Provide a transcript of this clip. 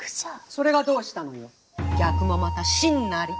それがどうしたのよ。